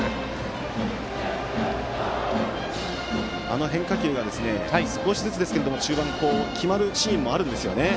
あの変化球が少しずつですが中盤、決まるシーンもあるんですよね。